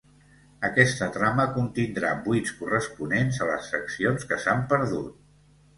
Aquesta trama contindrà buits corresponents a les seccions que s'han perdut.